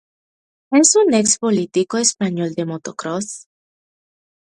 Es un ex-piloto español de motocross.